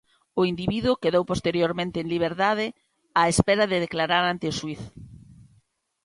O individuo quedou posteriormente en liberdade á espera de declarar ante o xuíz.